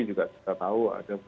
juga sudah tahu